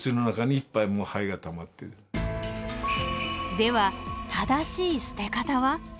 では正しい捨て方は？